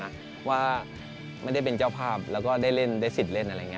ไม่ได้เป็นแก่เพื่อนเจ้าภาพและได้ินได้ศิลป์